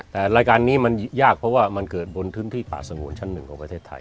แต่รายการนี้มันยากเพราะว่ามันเกิดบนพื้นที่ป่าสงวนชั้นหนึ่งของประเทศไทย